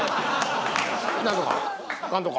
「何とか。